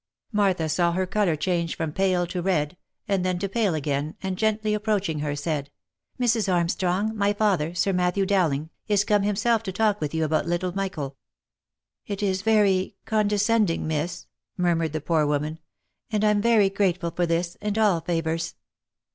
Martha saw her colour change from pale to red, and then to pale again, and gently approaching her, said, " Mrs. Armstrong, my father, Sir Matthew Dowling, is come himself to talk with you about little Michael." " It is very — condescending, miss," murmured the poor woman, " and I'm very grateful for this, and all favours."